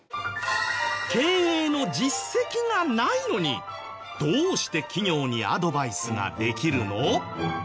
経営の実績がないのにどうして企業にアドバイスができるの？